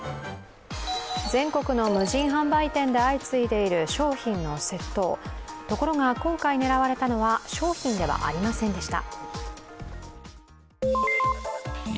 全国の無人販売店で相次いでいる商品の窃盗ところが今回狙われたのは商品ではありませんでした。